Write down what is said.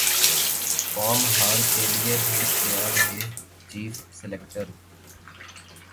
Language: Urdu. قوم ہار کیلئے بھی تیار رہے چیف سلیکٹر